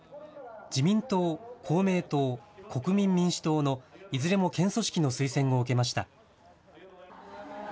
自民党、公明党、国民民主党のいずれも県組織の推薦を受けました。